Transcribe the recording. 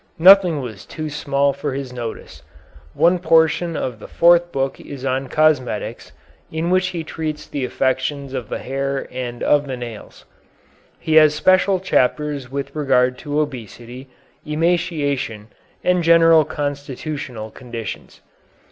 Nothing was too small for his notice. One portion of the fourth book is on cosmetics, in which he treats the affections of the hair and of the nails. He has special chapters with regard to obesity, emaciation, and general constitutional conditions.